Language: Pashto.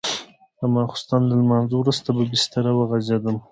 د ماخستن له لمانځه وروسته په بستره وغځېدم.